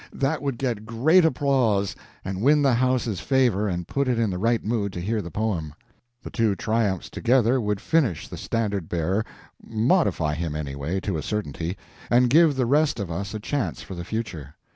That would get great applause, and win the house's favor and put it in the right mood to hear the poem. The two triumphs together with finish the Standard Bearer—modify him, anyway, to a certainty, and give the rest of us a chance for the future.